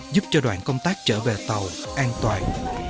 giúp cho đoàn công tác trở về tàu an toàn